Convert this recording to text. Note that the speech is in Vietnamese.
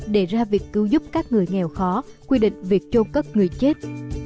đề ra việc cứu giúp các người nghèo khó quy định việc chôn cất người chết